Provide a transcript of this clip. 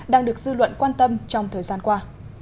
đang được dư luận quan tâm trong thời gian qua